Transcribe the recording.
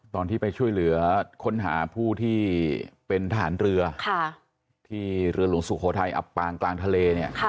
ตอนที่ไปช่วยเหลือค้นหาผู้ที่เป็นทหารเรือที่เรือหลวงสุโขทัยอับปางกลางทะเลเนี่ย